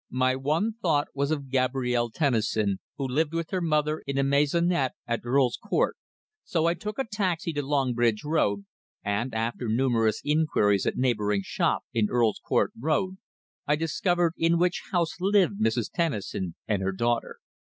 My one thought was of Gabrielle Tennison, who lived with her mother in a maisonette at Earl's Court. So I took a taxi to Longridge Road, and after numerous inquiries at neighbouring shops in Earl's Court Road, I discovered in which house lived Mrs. Tennison and her daughter.